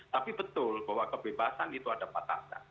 tapi betul bahwa kebebasan itu ada batasnya